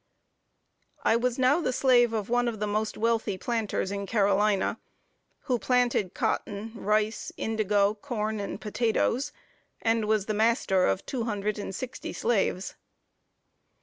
I was now the slave of one of the most wealthy planters in Carolina, who planted cotton, rice, indigo, corn, and potatoes; and was the master of two hundred and sixty slaves.